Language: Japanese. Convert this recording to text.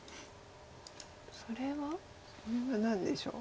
それは？それは何でしょう。